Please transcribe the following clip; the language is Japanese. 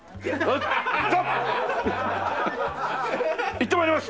行って参ります！